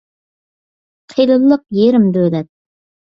قېلىنلىق يېرىم دۆلەت.